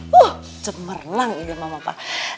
wow cemerlang ya mama pa